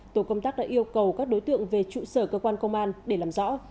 tổ công tác đã yêu cầu các đối tượng về trụ sở cơ quan công an để làm rõ